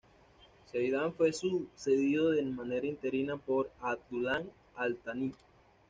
Zeidan fue sucedido de manera interina por Abdullah al-Thani.